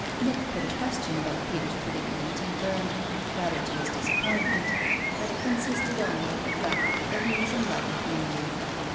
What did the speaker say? Nick put a question about Peter's predicament and learned, rather to his disappointment, that it consisted only of the fact that he was in love with Miriam.